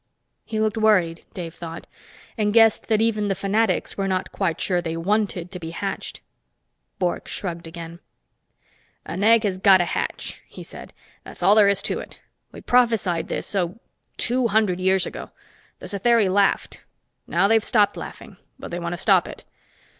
He looked worried, Dave thought, and guessed that even the fanatics were not quite sure they wanted to be hatched. Bork shrugged again. "An egg has got to hatch," he said. "That's all there is to it. We prophesied this, oh, two hundred years ago. The Satheri laughed. Now they've stopped laughing, but they want to stop it.